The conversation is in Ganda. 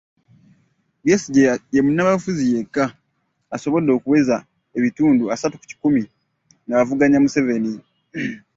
Besigye ye munnabyabufuzi yekka asobodde okuweza ebitundu asatu ku kikumi ng'avuganya Museveni.